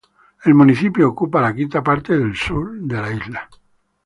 El municipio ocupa la quinta parte sur de la isla.